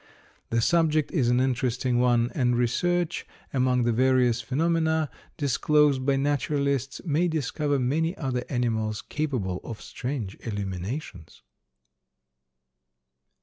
The subject is an interesting one and research among the various phenomena disclosed by naturalists may discover many other animals capable of strange illuminations.